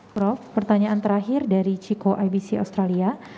prof pertanyaan terakhir dari chico ibc australia